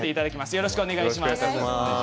よろしくお願いします。